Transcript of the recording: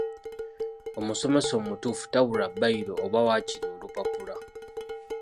Omusomesa omutuufu tabulwa bbayiro oba waakiri olupapula.